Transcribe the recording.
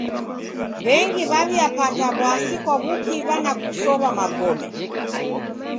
W'engi w'aw'iapata w'asi kwa w'ukiw'a na kusow'a magome.